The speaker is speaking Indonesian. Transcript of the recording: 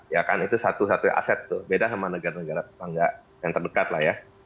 ya kan itu satu satu aset tuh beda sama negara negara tetangga yang terdekat lah ya